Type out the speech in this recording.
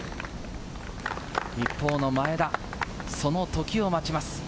一方の前田、その時を待ちます。